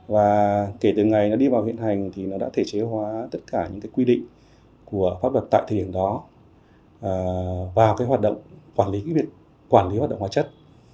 và kể từ ngày nó đi vào hiện hành thì nó đã thể chế hóa tất cả những quy định của pháp luật tại thời điểm đó vào cái hoạt động quản lý hoạt động hóa chất